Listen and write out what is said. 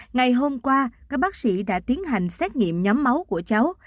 ngày hôm qua các bác sĩ đã tiến hành xét nghiệm nhóm máu của cháu